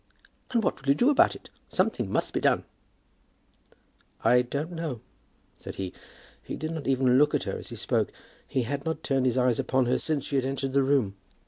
"And what will you do about it? Something must be done." "I don't know," said he. He did not even look at her as he spoke. He had not turned his eyes upon her since she had entered the room.